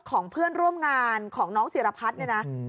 ของเพื่อนร่วมงานของน้องศิรพัฒน์เนี่ยนะ